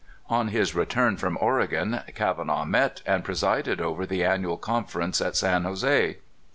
On his return from Oregon, Kavanaugh met and presided over the Annual Conference at San Jose.